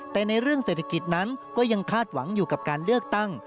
แต่ในเรื่องเศรษฐกิจนั้นก็ยังคาดหวังอยู่กับการเลือกตั้ง